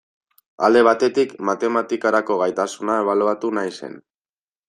Alde batetik, matematikarako gaitasuna ebaluatu nahi zen.